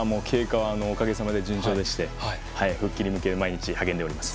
おかげさまで順調でして復帰に向け毎日励んでおります。